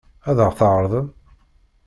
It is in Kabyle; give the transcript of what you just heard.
Ad ɣ-t-tɛeṛḍem?